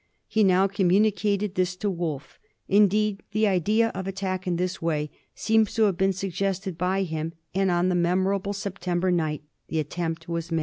He now communicated this to Wolfe. Indeed, the idea of attack in this way seems to have been suggested by him, and on the memo rable September night the attempt was made.